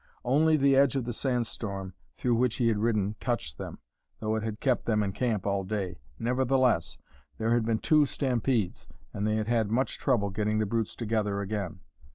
Only the edge of the sand storm through which he had ridden touched them, though it had kept them in camp all day. Nevertheless, there had been two stampedes, and they had had much trouble getting the brutes together again.